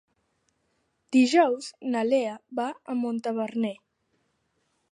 Dijous na Lea va a Montaverner.